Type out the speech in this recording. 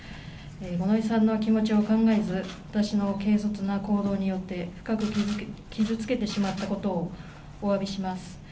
五ノ井さんの気持ちを考えず、私の軽率な行動によって深く傷つけてしまったことをおわびします。